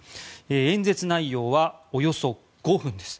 演説内容はおよそ５分です。